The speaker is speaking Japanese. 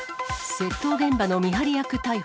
窃盗現場の見張り役逮捕。